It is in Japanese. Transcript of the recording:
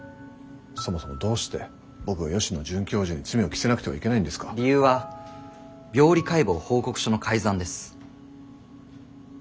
そもそもどうして僕が吉野准教授に罪を着せなくてはいけないんですか？理由は病理解剖報告書の改ざんです。